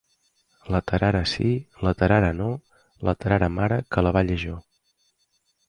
La tarara sí, la tarara no, la tarara mare que la balle jo.